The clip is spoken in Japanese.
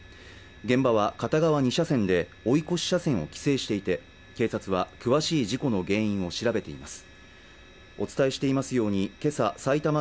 現場は片側２車線で追い越し車線を規制していて警察は詳しい事故の原因を調べています